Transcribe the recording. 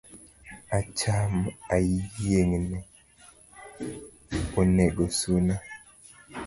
Acham ayiengne onego suna